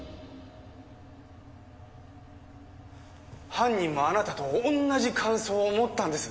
犯人もあなたと同じ感想を持ったんです。